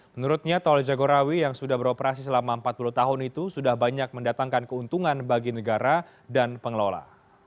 menurutnya tol jagorawi yang sudah beroperasi selama empat puluh tahun itu sudah banyak mendatangkan keuntungan bagi negara dan pengelola